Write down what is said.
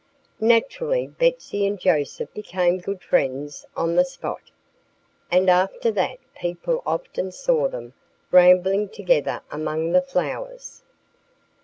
Naturally Betsy and Joseph became good friends on the spot. And after that people often saw them rambling together among the flowers.